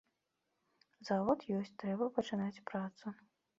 Завод ёсць, трэба пачынаць працу.